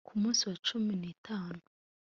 ku munsi wa cumi nitanu